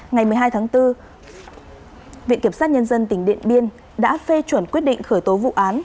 ngày một mươi hai tháng bốn viện kiểm sát nhân dân tỉnh điện biên đã phê chuẩn quyết định khởi tố vụ án